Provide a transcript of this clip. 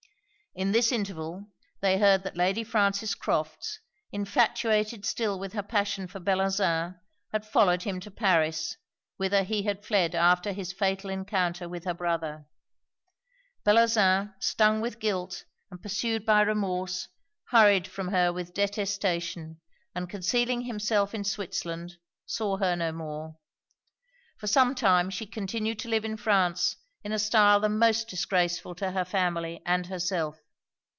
In this interval, they heard that Lady Frances Crofts, infatuated still with her passion for Bellozane, had followed him to Paris, whither he had fled after his fatal encounter with her brother. Bellozane, stung with guilt, and pursued by remorse, hurried from her with detestation; and concealing himself in Switzerland, saw her no more. For some time she continued to live in France in a style the most disgraceful to her family and herself.